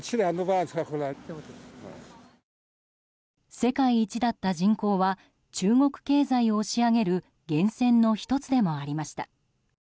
世界一だった人口は中国経済を押し上げる源泉の１つでもありました。